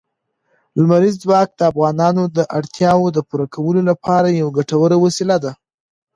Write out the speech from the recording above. لمریز ځواک د افغانانو د اړتیاوو د پوره کولو لپاره یوه ګټوره وسیله ده.